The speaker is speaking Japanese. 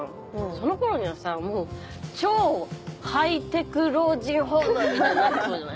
その頃にはさもう超ハイテク老人ホームみたいになってそうじゃない？